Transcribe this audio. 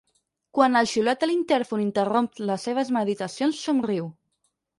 Quan el xiulet de l'intèrfon interromp les seves meditacions somriu.